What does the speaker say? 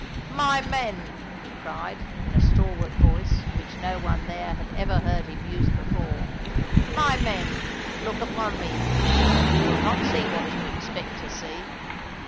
"My men," he cried, in a stalwart voice which no one there had ever heard him use before, "my men, look upon me and you will not see what you expect to see!